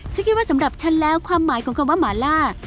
จะคิดว่าฉันแล้วความหมายว่ามั๊มหมาล่า